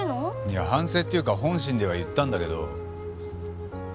いや反省っていうか本心では言ったんだけど。